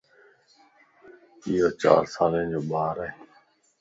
ايو چار سالين جو ٻار ائي